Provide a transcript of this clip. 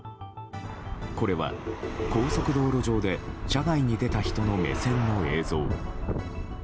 これは高速道路上で車外に出た人の目線の映像。